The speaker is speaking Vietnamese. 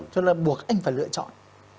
cho nên buộc anh phải lựa chọn